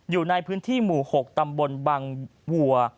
อยู่ในพื้นที่หมู่๖ตำบลบังวัว